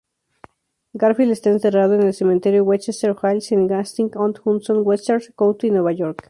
Garfield está enterrado en el cementerio Westchester Hills en Hastings-on-Hudson, Westchester County, Nueva York.